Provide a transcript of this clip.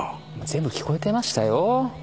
全部聞こえてましたよ